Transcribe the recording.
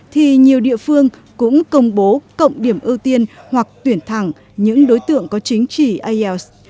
thì nhiều địa phương cũng công bố cộng điểm ưu tiên hoặc tuyển thẳng những đối tượng có chứng chỉ ielts